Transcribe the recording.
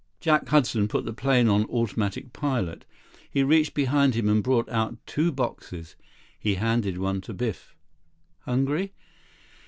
Jack Hudson put the plane on automatic pilot. He reached behind him and brought out two boxes. He handed one to Biff. "Hungry?"